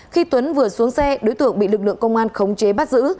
khi tuấn vừa xuống xe đối tượng bị lực lượng công an khống chế bắt giữ